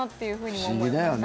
不思議だよね。